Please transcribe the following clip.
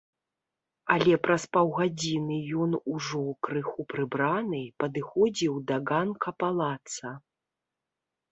Але праз паўгадзіны ён ужо, крыху прыбраны, падыходзіў да ганка палаца.